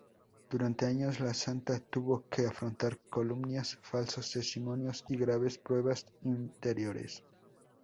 Durante años, la santa tuvo que afrontar calumnias, falsos testimonios y graves pruebas interiores.